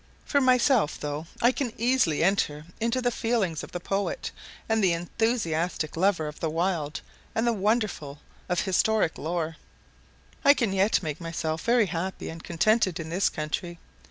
For myself, though I can easily enter into the feelings of the poet and the enthusiastic lover of the wild and the wonderful of historic lore, I can yet make myself very happy and contented in this country.